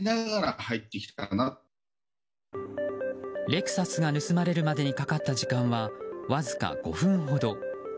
レクサスが盗まれるまでにかかった時間はわずか５分ほど。